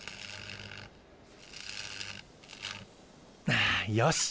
ああよし。